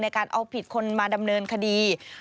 การเอาผิดคนมาดำเนินคดี